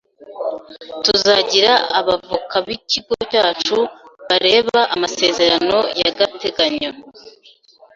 Tuzagira abavoka b'ikigo cyacu bareba amasezerano y'agateganyo